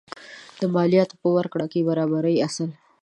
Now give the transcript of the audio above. د مالیاتو په ورکړه کې د برابرۍ اصل.